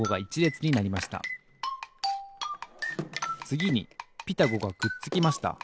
つぎに「ピタゴ」がくっつきました。